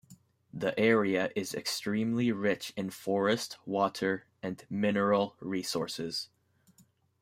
The area is extremely rich in forest, water and mineral resources.